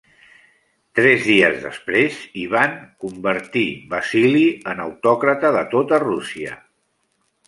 Tres dies després, Ivan convertir Vasili en autòcrata de tota Rússia.